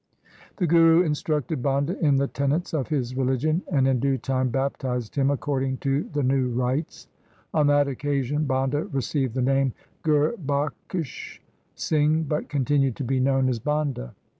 The Guru instructed Banda in the tenets of his religion, and in due time baptized him according to the new rites. On that occasion Banda received the name Gurbakhsh Singh, but continued to be known as Banda.